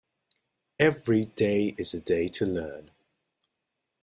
Every day is a day to learn.